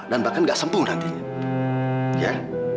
dan bahkan nggak sempung nantinya